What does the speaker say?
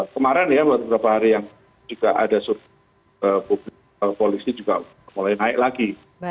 kemarin ya beberapa hari yang juga ada survei publik polisi juga mulai naik lagi